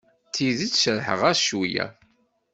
D tidet serrḥeɣ-as cweyya.